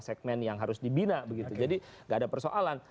sebuah segmen yang harus dibina jadi gak ada persoalan